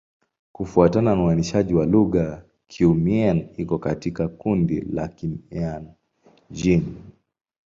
Kufuatana na uainishaji wa lugha, Kiiu-Mien iko katika kundi la Kimian-Jin.